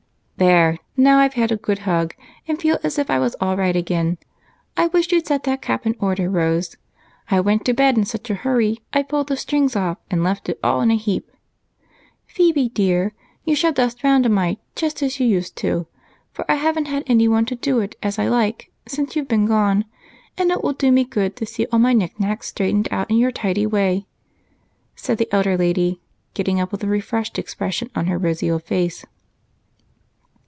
"There, now I've had a good hug, and feel as if I was all right again. I wish you'd set that cap in order, Rose I went to bed in such a hurry, I pulled the strings off it and left it all in a heap. Phebe, dear, you shall dust round a mite, just as you used to, for I haven't had anyone to do it as I like since you've been gone, and it will do me good to see all my knickknacks straightened out in your tidy way," said the elder lady, getting up with a refreshed expression on her rosy old face.